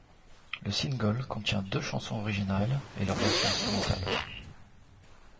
Le single contient deux chansons originales et leurs versions instrumentales.